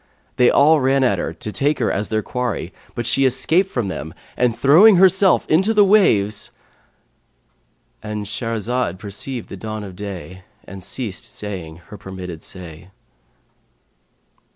They all ran at her to take her as their quarry, but she escaped from them and, throwing herself into the waves,"—And Shahrazad perceived the dawn of day and ceased saying her permitted say.